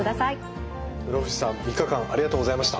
室伏さん３日間ありがとうございました。